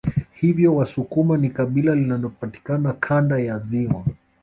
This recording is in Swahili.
Hivyo wasukuma ni kabila linalopatikana Kanda ya ziwa